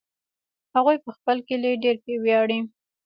هغوی په خپل کلي ډېر ویاړي